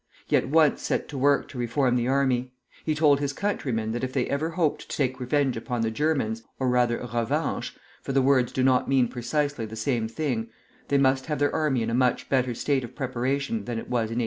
He at once set to work to reform the army. He told his countrymen that if they ever hoped to take revenge upon the Germans (or rather revanche; for the words do not mean precisely the same thing), they must have their army in a much better state of preparation than it was in 1870.